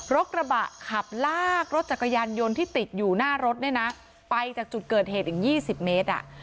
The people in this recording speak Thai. รถกระบะขับลากรถจักรยานยนต์ที่ติดอยู่หน้ารถเนี่ยนะไปจากจุดเกิดเหตุอีก๒๐เมตร